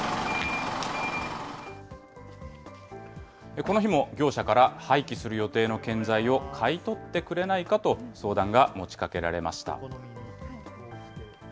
この日も業者から廃棄する予定の建材を買い取ってくれないかと相談が持ちかけられました。